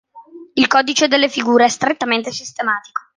Il codice delle figure è strettamente sistematico.